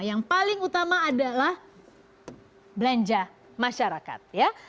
yang paling utama adalah belanja masyarakat ya